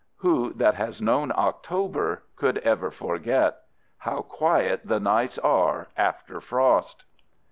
Who that has known October could ever forget? How quiet the nights are after frost!